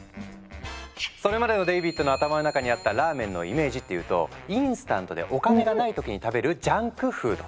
それまでのデイビッドの頭の中にあったラーメンのイメージっていうとインスタントでお金がない時に食べるジャンクフード。